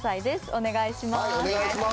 お願いします！